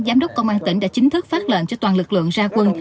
giám đốc công an tỉnh đã chính thức phát lệnh cho toàn lực lượng ra quân